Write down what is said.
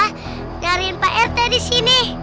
nyariin pak rt disini